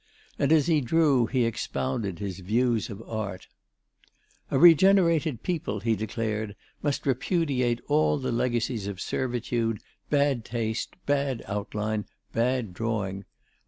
And as he drew, he expounded his views of art: "A regenerated People," he declared, "must repudiate all the legacies of servitude, bad taste, bad outline, bad drawing.